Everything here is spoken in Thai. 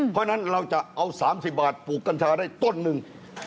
เพราะฉะนั้นเราจะเอา๓๐บาทปลูกกัญชาได้ต้นหนึ่ง